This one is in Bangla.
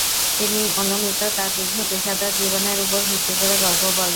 তিনি অনুমিত তার দীর্ঘ পেশাদার জীবনের উপর ভিত্তি করে গল্প বলেন।